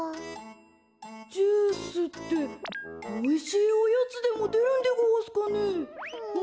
こころのこえジュースっておいしいおやつでもでるんでごわすかね？